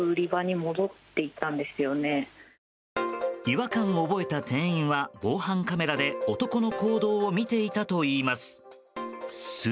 違和感を覚えた店員は防犯カメラで男の行動を見ていたといいます。